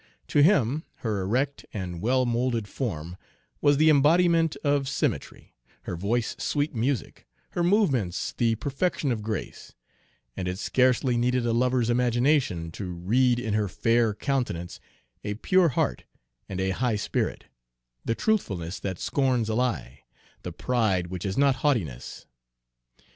To him her erect and well moulded form was the embodiment of symmetry, her voice sweet music, her movements the perfection of grace; and it scarcely needed a lover's imagination to read in her fair countenance a pure heart and a high spirit, the truthfulness that scorns a lie, the pride which is not haughtiness.